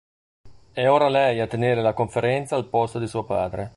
È ora lei a tenere la conferenza al posto di suo padre.